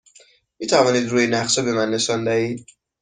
می توانید روی نقشه به من نشان دهید؟